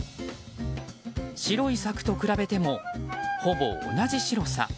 白い柵と比べてもほぼ同じ白さ。